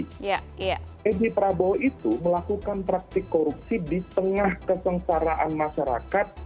karena edy prabowo melakukan praktik korupsi di tengah kesengsaraan masyarakat